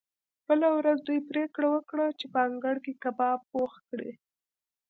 بله ورځ دوی پریکړه وکړه چې په انګړ کې کباب پخ کړي